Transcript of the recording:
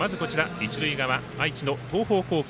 一塁側、愛知の東邦高校。